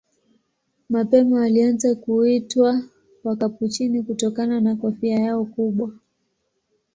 Mapema walianza kuitwa Wakapuchini kutokana na kofia yao kubwa.